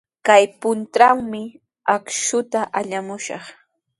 Kay puntrawmi akshuta allamushaq.